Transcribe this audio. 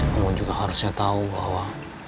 namun juga harusnya tahu bahwa